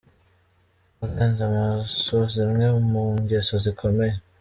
Urenza amaso zimwe mu ngeso zikomeye.